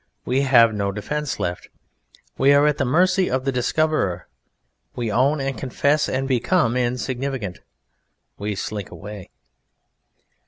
We have no defence left. We are at the mercy of the discoverer, we own and confess, and become insignificant: we slink away.